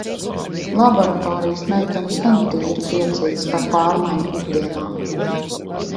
Laboratorijas meitenes gan tīri priecīgas par pārmaiņu ikdienā.